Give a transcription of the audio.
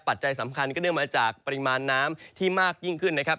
ปัจจัยสำคัญก็เนื่องมาจากปริมาณน้ำที่มากยิ่งขึ้นนะครับ